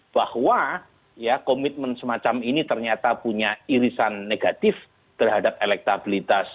bahwa komitmen semacam ini ternyata punya irisan negatif terhadap elektabilitas dan car pranowo